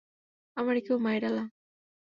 আমারে কেউ মাইরালা!